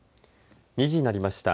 ２時になりました。